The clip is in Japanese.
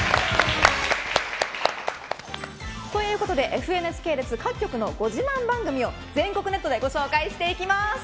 ＦＮＳ系列各局のご自慢番組を全国ネットでご紹介していきます。